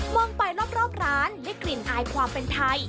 ไปรอบร้านได้กลิ่นอายความเป็นไทย